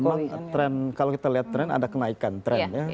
memang tren kalau kita lihat tren ada kenaikan tren ya